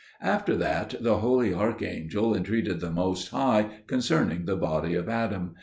After that the holy archangel entreated the Most High concerning the body of Adam.